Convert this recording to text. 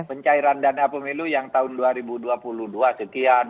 pencairan dana pemilu yang tahun dua ribu dua puluh dua sekian